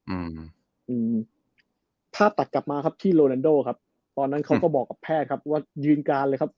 อืมอืมภาพตัดกลับมาครับที่โรนันโดครับตอนนั้นเขาก็บอกกับแพทย์ครับว่ายืนการเลยครับ